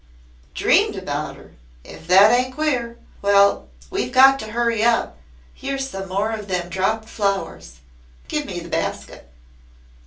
"Dreamed about her? If that ain't queer. Well, we've got to hurry up. Here's some more of them dropped flowers. Give me the basket."